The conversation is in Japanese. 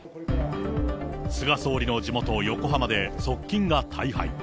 菅総理の地元、横浜で、側近が大敗。